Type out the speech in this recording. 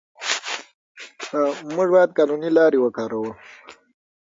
موږ باید قانوني لارې وکاروو.